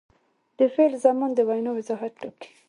د فعل زمان د وینا وضاحت ټاکي.